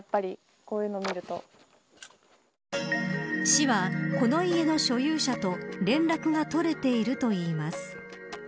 市は、この家の所有者と連絡が取れているといいます。